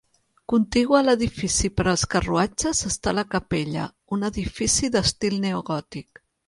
Contigua a l'edifici per als carruatges està la capella, un edifici d'estil neogòtic.